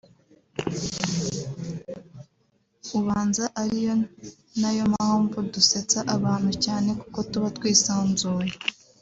ubanza ari nayo mpamvu dusetsa abantu cyane kuko tuba twisanzuye”